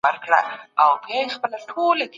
هغه نظريې چي پخوانۍ وې باطلي سوې.